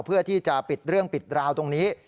เพื่อที่จะปิดเรื่องปิดราวตรงนี้